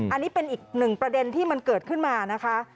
อันนี้เป็นอีกหนึ่งประเด็นที่มันเกิดขึ้นมานะคะ